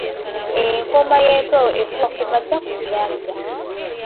Enkoma y'empewo efuuwa ku makya ku nnyanja.